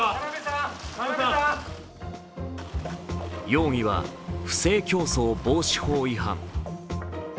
容疑は、不正競争防止法違反。